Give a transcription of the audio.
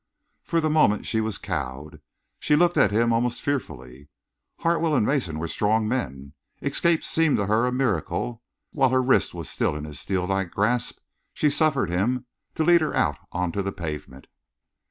For the moment she was cowed. She looked at him almost fearfully. Hartwell and Mason were strong men. Escape seemed to her a miracle. With her wrist still in his steel like grasp, she suffered him to lead her out on to the pavement.